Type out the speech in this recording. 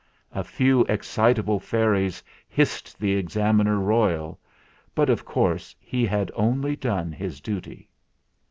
A few excitable fairies hissed the Examiner Royal; but of course he had only done his duty.